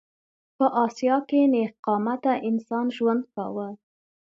په اسیا کې نېغ قامته انسان ژوند کاوه.